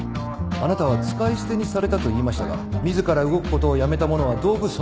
あなたは使い捨てにされたと言いましたが自ら動くことをやめた者は道具そのものです